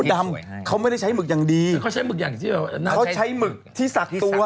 พี่สมดัมเค้าไม่ใช้มึกอย่างดีเค้าใช้มึกที่สักตัว